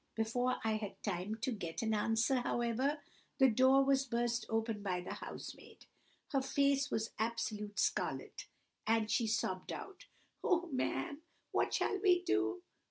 Before I had time to get an answer, however, the door was burst open by the housemaid. Her face was absolute scarlet, and she sobbed out:— "'Oh, ma'am, what shall we do?